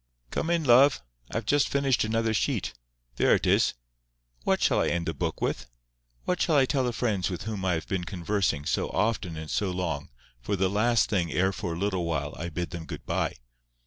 "Come in, love. I have just finished another sheet. There it is. What shall I end the book with? What shall I tell the friends with whom I have been conversing so often and so long for the last thing ere for a little while I bid them good bye?"